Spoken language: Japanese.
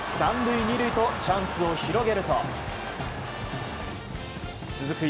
３塁２塁とチャンスを広げると続く